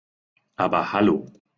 Aber hallo!